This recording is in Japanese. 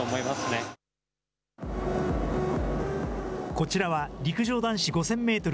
こちらは陸上男子５０００メートル